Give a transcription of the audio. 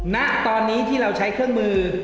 ณตอนนี้ที่เราใช้เครื่องมือ